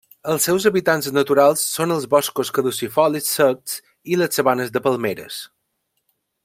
Els seus hàbitats naturals són els boscos caducifolis secs i les sabanes de palmeres.